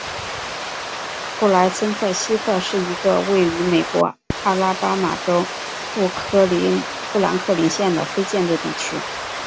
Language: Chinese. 普莱森特西特是一个位于美国阿拉巴马州富兰克林县的非建制地区。